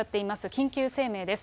緊急声明です。